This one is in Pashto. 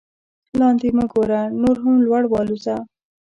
لاندې مه ګوره نور هم لوړ والوځه.